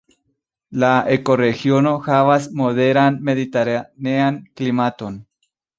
La ekoregiono havas moderan mediteranean klimaton.